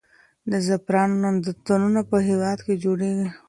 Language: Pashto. د زعفرانو نندارتونونه په هېواد کې جوړېږي.